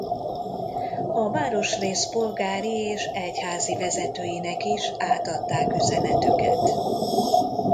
A városrész polgári és egyházi vezetőinek is átadták üzenetüket.